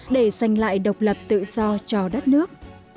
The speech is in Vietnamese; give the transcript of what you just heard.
để giành lại độc lập tự do cho đất nước